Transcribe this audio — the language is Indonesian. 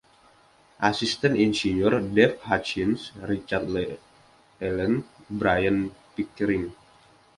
Asisten insinyur: Dave Hutchins, Richard Elen, Brian Pickering.